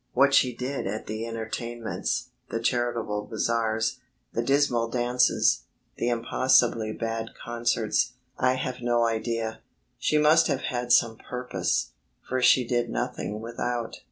What she did at the entertainments, the charitable bazaars, the dismal dances, the impossibly bad concerts, I have no idea. She must have had some purpose, for she did nothing without.